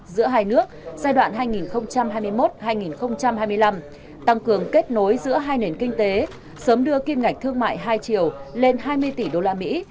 giữa hai nước giai đoạn hai nghìn hai mươi một hai nghìn hai mươi năm tăng cường kết nối giữa hai nền kinh tế sớm đưa kim ngạch thương mại hai triệu lên hai mươi tỷ đô la mỹ